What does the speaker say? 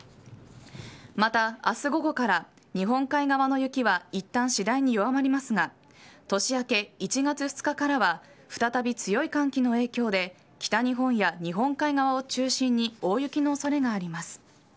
また、明日午後から日本海側の雪はいったん次第に弱まりますが年明け１月２日からは再び強い寒気の影響で北日本や日本海側を中心に大雪の恐れがあります。